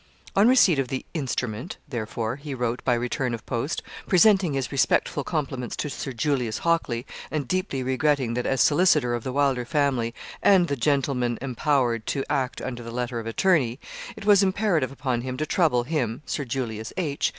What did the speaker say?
On receipt of the 'instrument,' therefore, he wrote by return of post, 'presenting his respectful compliments to Sir Julius Hockley, and deeply regretting that, as solicitor of the Wylder family, and the gentleman empowered to act under the letter of attorney, it was imperative upon him to trouble him (Sir Julius H.)